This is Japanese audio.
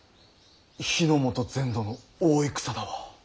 日ノ本全土の大戦だわ。